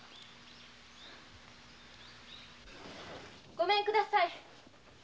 ・ごめんください。